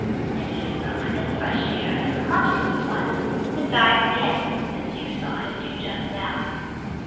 Then he sucks in fresh air, as much as he wants, and dives again, as you saw him do just now.